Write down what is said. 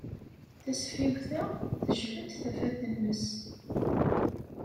Tasfiwt-a tejhed tafat-nnes.